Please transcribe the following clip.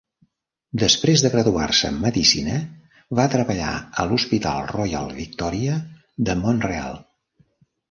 Després de graduar-se en Medicina, va treballar a l'Hospital Royal Victoria de Mont-real.